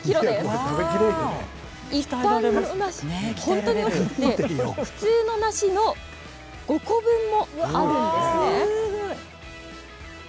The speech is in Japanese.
本当に大きくて、普通の梨の５個分もあるんですね。